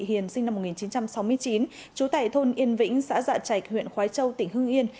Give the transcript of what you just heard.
hiền sinh năm một nghìn chín trăm sáu mươi chín chú tài thôn yên vĩnh xã dạ trạch huyện khói châu tỉnh hưng yên